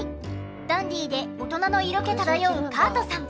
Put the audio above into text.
ダンディで大人の色気漂うカートさん。